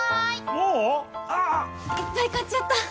もう⁉ああ・・・いっぱい買っちゃった！